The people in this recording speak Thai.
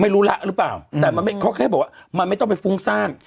ไม่รู้ละหรือเปล่าแต่มันไม่เขาแค่บอกว่ามันไม่ต้องไปฟุ้งซ่าน